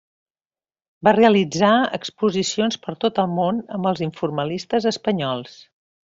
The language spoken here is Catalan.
Va realitzar exposicions per tot el món amb els informalistes espanyols.